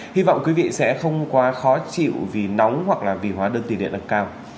hy vọng quý vị sẽ không quá khó chịu vì nóng hoặc là vì hóa đơn tiền điện tăng cao